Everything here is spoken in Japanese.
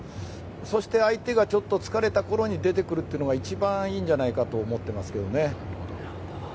そして相手がちょっと疲れたころに出てくるのが一番いいと思ってますけどね。